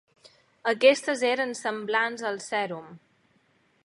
Aquestes eren semblants al sèrum.